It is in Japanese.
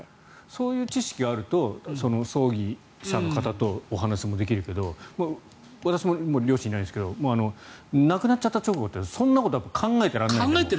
そういう知識があると葬儀社の方とお話もできるけど私ももう両親いないですけど亡くなっちゃった直後ってそんなこと考えてられない。